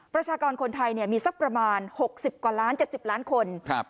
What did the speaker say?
ประชากรคนไทยเนี่ยมีสักประมาณหกสิบกว่าล้านเจ็ดสิบล้านคนครับ